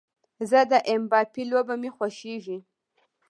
زه د ایم با في لوبه مې خوښیږي